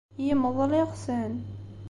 Yemḍel iɣsan.